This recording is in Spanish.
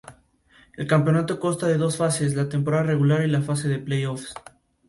te exigen ese pago aunque no grabes obras de autores socios suyos